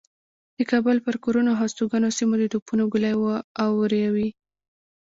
د کابل پر کورونو او هستوګنو سیمو د توپونو ګولۍ و اوروي.